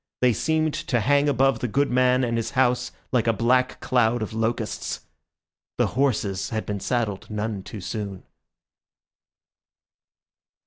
They seemed to hang above the good man and his house like a black cloud of locusts. The horses had been saddled none too soon.